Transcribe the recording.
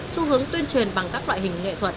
xu hướng tuyên truyền bằng các loại hình nghệ thuật